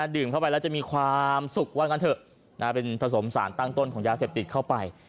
ดื่มเข้าไปแล้วจะมีความสุขว่างั้นเถอะเป็นผสมสารตั้งต้นของยาเสพติดเข้าไป